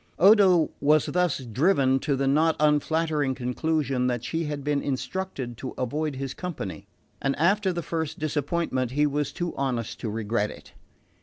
Odo was thus driven to the not unflattering conclusion that she had been instructed to avoid his company; and after the first disappointment he was too honest to regret it.